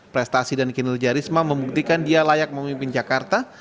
prestasi dan kinerja risma membuktikan dia layak memimpin jakarta